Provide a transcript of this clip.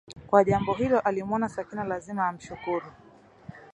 kwa jambo hilo akimwona Sakina lazima amshukuru